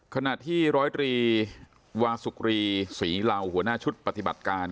ขณะที่ตรีหวาสุกรีสีลาวหัวหน้าชุดปฏิบัติการ